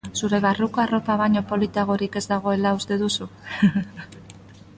Zure barruko arropa baino politagorik ez dagoela uste duzu?